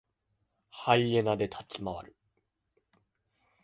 ハイエナで立ち回る。